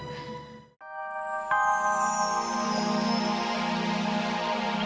hei hei iki waktunya misalnya mau k examen pacar sama ka stars